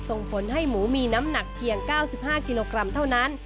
ส่งผลให้หมูมีน้ำหนักเพียง๙๕กิโลกรัมเท่านั้น